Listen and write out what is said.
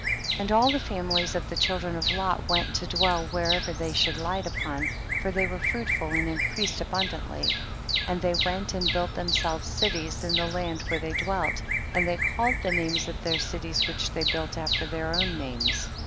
25. And all the families of the children of Lot went to dwell wher ever they should light upon, for they were fruitful and increased aburi dantly. 26. And they went and built them selves cities in the land where they dwelt, and they called the names of the cities which they built after their own names.